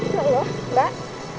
ya allah mbak